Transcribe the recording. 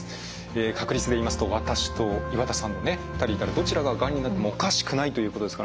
確率で言いますと私と岩田さんのね２人いたらどちらががんになってもおかしくないということですからね